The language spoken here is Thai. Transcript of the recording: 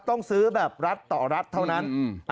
ต้องซื้อแบบรัฐต่อรัฐเท่านั้น